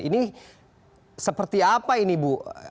ini seperti apa ini bu